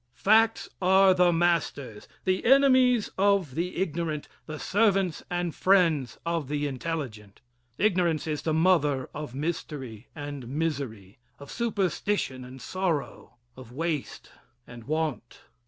Facts are the masters, the enemies of the ignorant, the servants and friends of the intelligent. Ignorance is the mother of mystery and misery, of superstition and sorrow, of waste and want.